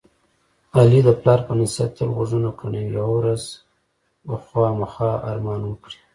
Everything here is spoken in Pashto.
علي د پلار په نصیحت تل غوږونه کڼوي. یوه ورځ به خوامخا ارمان وکړي.